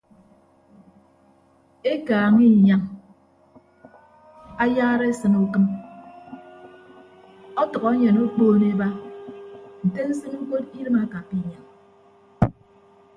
Ekaaña inyañ ayara esịne ukịm ọtʌk enyen okpoon eba nte nsịn ukot idịm akappa inyañ.